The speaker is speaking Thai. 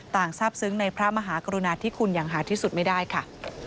ทราบซึ้งในพระมหากรุณาธิคุณอย่างหาที่สุดไม่ได้ค่ะ